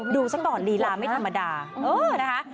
ดูสักก่อนรีลาไม่ธรรมดาเออนะคะ